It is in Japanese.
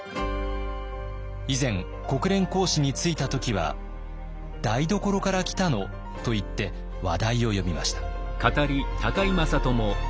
以前国連公使に就いた時は「台所から来たの」と言って話題を呼びました。